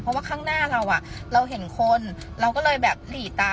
เพราะว่าข้างหน้าเราเราเห็นคนเราก็เลยแบบหลีตา